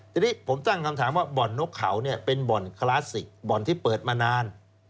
ทีนี้ผมตั้งคำถามว่าบ่อนนกเขาเนี่ยเป็นบ่อนคลาสสิกบ่อนที่เปิดมานาน